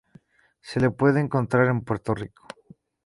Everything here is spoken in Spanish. Se la puede encontrar en Puerto Rico.